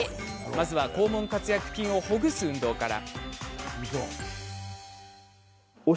まずは肛門括約筋をほぐす運動から。